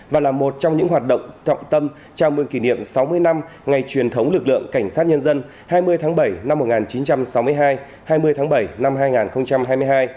và là một trong những hoạt động trọng tâm chào mừng kỷ niệm sáu mươi năm ngày truyền thống lực lượng cảnh sát nhân dân hai mươi tháng bảy năm một nghìn chín trăm sáu mươi hai hai mươi tháng bảy năm hai nghìn hai mươi hai